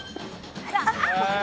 あっ！